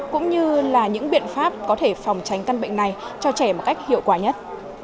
cũng như là những biện pháp có thể phòng tránh căn bệnh này cho trẻ một cách hiệu quả nhất